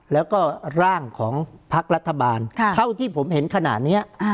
แล้วก็ร่างของพักรัฐบาลเท่าที่ผมเห็นขนาดนี้